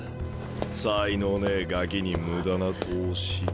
才能ねえガキに無駄な投資。